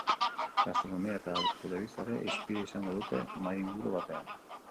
Gastronomia eta telebista ere hizpide izango dute, mahai-inguru batean.